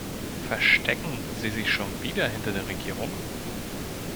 Verstecken Sie sich schon wieder hinter der Regierung?